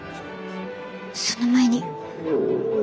その前に。